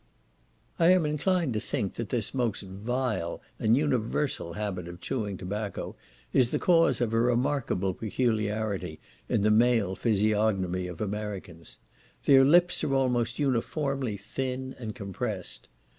I am inclined to think this most vile and universal habit of chewing tobacco is the cause of a remarkable peculiarity in the male physiognomy of Americans; their lips are almost uniformly thin and compressed.